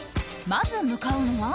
まず向かうのは。